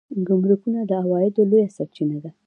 ګمرکونه د عوایدو لویه سرچینه ده